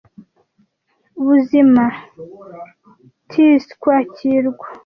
Buzima - 'tis kwakirwa--